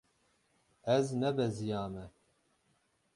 Ez nebeziyame.